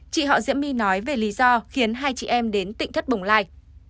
chị họ diễm my nói về lý do khiến hai chị em đến tỉnh thất bồng lai